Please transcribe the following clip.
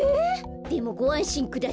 でもごあんしんください。